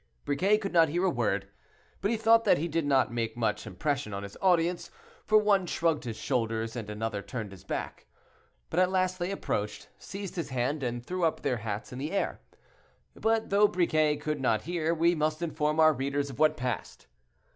Briquet could not hear a word, but he thought that he did not make much impression on his audience, for one shrugged his shoulders, and another turned his back. But at last they approached, seized his hand, and threw up their hats in the air. But though Briquet could not hear, we must inform our readers of what passed.